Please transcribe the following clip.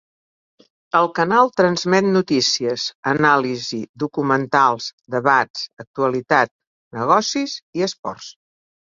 El canal transmet notícies, anàlisi, documentals, debats, actualitat, negocis i esports.